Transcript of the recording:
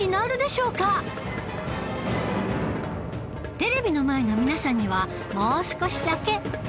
テレビの前の皆さんにはもう少しだけ